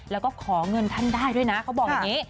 แล้วก็ขอเงินท่านได้ด้วยนะเขาบอกอย่างนี้